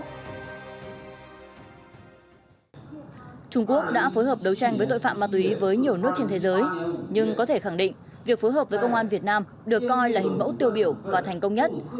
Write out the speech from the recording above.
trung quốc đã phối hợp đấu tranh với tội phạm ma túy với nhiều nước trên thế giới nhưng có thể khẳng định việc phối hợp với công an việt nam được coi là hình mẫu tiêu biểu và thành công nhất